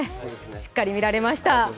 しっかり見られました。